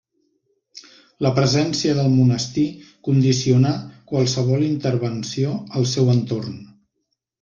La presència del Monestir condicionà qualsevol intervenció al seu entorn.